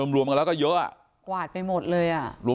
แต่มันรวมแล้วก็เยอะขวาดไปหมดเลยอ่ะ